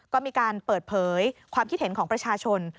ก็มีการเปิดเผยความคิดเห็นของประชาชน